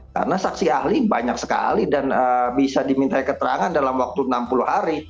karena saksi ahli banyak sekali dan bisa diminta keterangan dalam waktu enam puluh hari